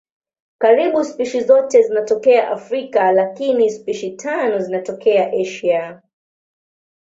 Karibu spishi zote zinatokea Afrika lakini spishi tano zinatokea Asia.